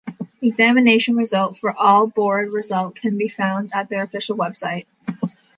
Examination result for all board result can be found at their official website.